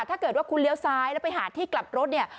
ถ้าเกิดว่าคุณเลี้ยวซ้ายแล้วไปหาที่กลับรถเนี่ย